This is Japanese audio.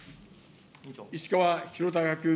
石川博崇君。